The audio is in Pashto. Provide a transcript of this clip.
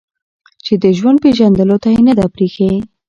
چې د ژوند پېژندلو ته يې نه ده پرېښې